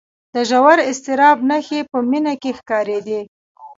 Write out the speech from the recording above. د ژور اضطراب نښې په مينې کې ښکارېدې